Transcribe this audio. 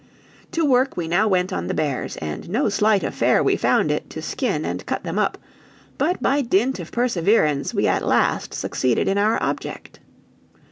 To work we now went on the bears, and no slight affair we found it to skin and cut them up, but by dint of perseverance, we at last succeeded in our object.